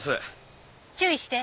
注意して。